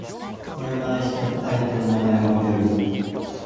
俺の愛した相手の名前はみどり